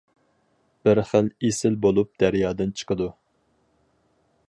بىر خىلى ئېسىل بولۇپ دەريادىن چىقىدۇ.